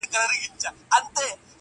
قانون هم کمزوری ښکاري دلته,